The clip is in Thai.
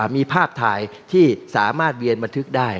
มีภาพถ่ายที่สามารถเวียนบันทึกได้